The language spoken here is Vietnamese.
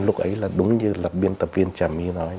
lúc ấy là đúng như là biên tập viên trà my nói